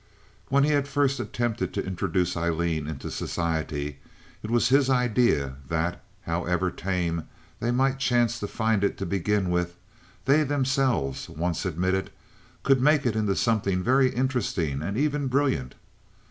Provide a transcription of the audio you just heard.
When he had first attempted to introduce Aileen into society it was his idea that, however tame they might chance to find it to begin with, they themselves, once admitted, could make it into something very interesting and even brilliant.